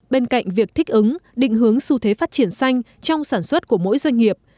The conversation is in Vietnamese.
bên cạnh việc thích ứng định hướng xu thế phát triển xanh trong sản xuất của mỗi doanh nghiệp